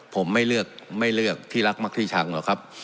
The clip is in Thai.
ผมไม่เลือกที่รักมากที่ชั้งนะครับ